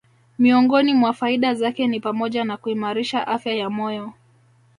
Miongoni mwa faida zake ni pamoja na kuimarisha afya ya moyo